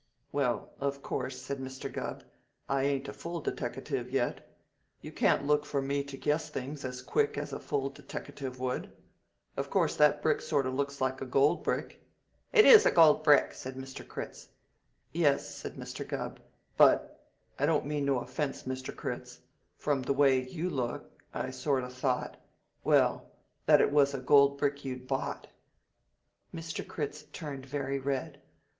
"Well, of course," said Mr. Gubb, "I ain't a full deteckative yet. You can't look for me to guess things as quick as a full deteckative would. Of course that brick sort of looks like a gold brick " "It is a gold brick," said Mr. Critz. "Yes," said Mr. Gubb. "But I don't mean no offense, Mr. Critz from the way you look I sort of thought well, that it was a gold brick you'd bought." Mr. Critz turned very red.